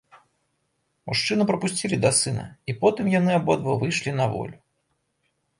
Мужчыну прапусцілі да сына, і потым яны абодва выйшлі на волю.